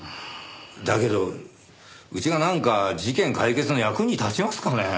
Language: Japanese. だけどうちがなんか事件解決の役に立ちますかね？